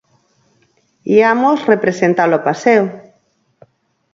Iamos representar o paseo.